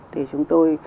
thì chúng tôi